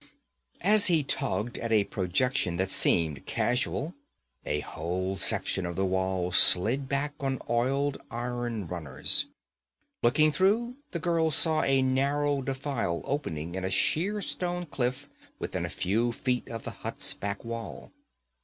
As he tugged at a projection that seemed casual, a whole section of the wall slid back on oiled iron runners. Looking through, the girl saw a narrow defile opening in a sheer stone cliff within a few feet of the hut's back wall.